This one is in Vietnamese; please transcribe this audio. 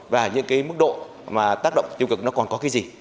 và những cái mức độ mà tác động tiêu cực nó còn có cái gì